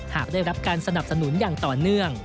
หากได้รับการสนับสนุนอย่างต่อเนื่อง